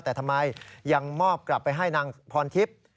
แต่ทำไมยังมอบกลับไปให้นางพรทิพย์